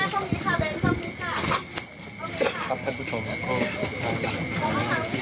ขอบคุณครับ